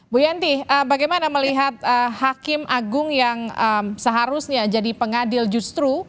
bu yanti bagaimana melihat hakim agung yang seharusnya jadi pengadil justru